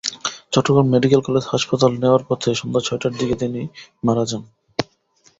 Chittagong medical college হাসপাতালে নেওয়ার পথে সন্ধ্যা ছয়টার দিকে তিনি মারা যান।